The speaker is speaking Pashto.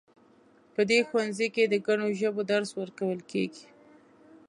په دې ښوونځي کې د ګڼو ژبو درس ورکول کیږي